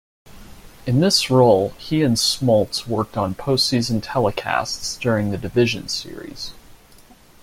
In this role, he and Smoltz worked on postseason telecasts during the Division Series.